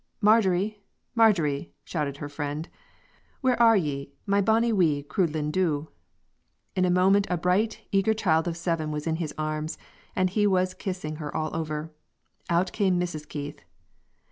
"Marjorie! Marjorie!" shouted her friend, "where are ye, my bonnie wee croodlin' doo?" In a moment a bright, eager child of seven was in his arms, and he was kissing her all over. Out came Mrs. Keith.